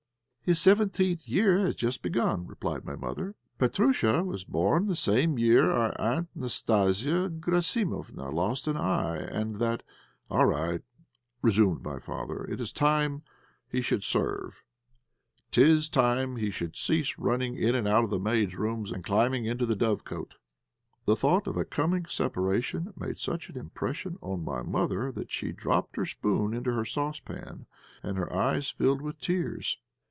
" "His seventeenth year has just begun," replied my mother. "Petróusha was born the same year our Aunt Anastasia Garasimofna lost an eye, and that " "All right," resumed my father; "it is time he should serve. 'Tis time he should cease running in and out of the maids' rooms and climbing into the dovecote." The thought of a coming separation made such an impression on my mother that she dropped her spoon into her saucepan, and her eyes filled with tears.